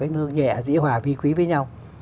nhẹ dĩ hòa vi quý với nhau